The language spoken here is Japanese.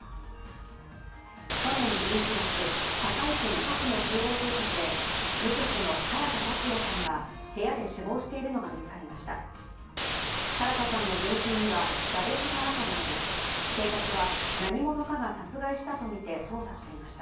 去年１１月、堺市中区の集合住宅で無職の唐田健也さんが部屋で死亡しているのが見つかりました。